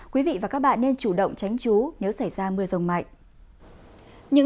quý vị và các bạn nên chủ động tránh trú nếu xảy ra mưa rông mạnh